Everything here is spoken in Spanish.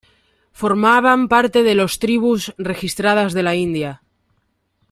Formaban parte de los tribus registradas de la India.